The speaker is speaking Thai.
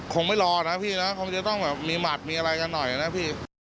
คงไม่รอนะพี่นะคงจะต้องแบบมีหมัดมีอะไรกันหน่อยนะพี่